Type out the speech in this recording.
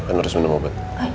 kan harus minum obat